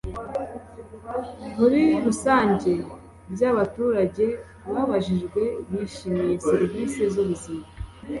Muri rusange by abaturage babajijwe bishimiye serivisi z ubuzima